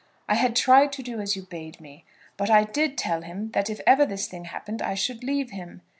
I had tried to do as you bade me. But I did tell him that if ever this thing happened I should leave him.